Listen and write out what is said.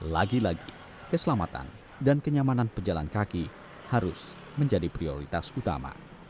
lagi lagi keselamatan dan kenyamanan pejalan kaki harus menjadi prioritas utama